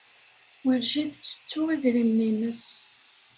Werjin tettettu idrimen-nnes.